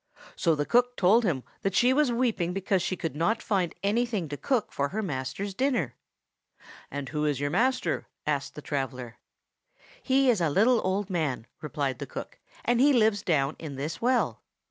So the cook told him that she was weeping because she could not find anything to cook for her master's dinner. "And who is your master?" asked the traveller. "He is a little old man," replied the cook; "and he lives down in this well."